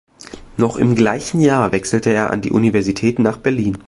Noch im gleichen Jahr wechselte er an die Universität nach Berlin.